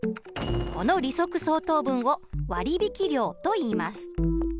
この利息相当分を割引料といいます。